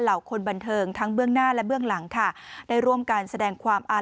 คนบันเทิงทั้งเบื้องหน้าและเบื้องหลังค่ะได้ร่วมการแสดงความอาล